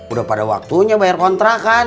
udah pada waktunya bayar kontrakan